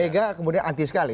mega kemudian anti sekali